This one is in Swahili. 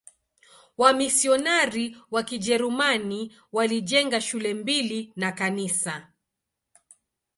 Wamisionari wa Kijerumani walijenga shule mbili na kanisa.